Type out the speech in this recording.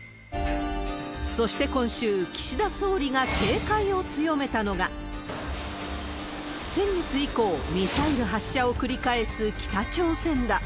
そして今週、岸田総理が警戒を強めたのが、先月以降、ミサイル発射を繰り返す北朝鮮だ。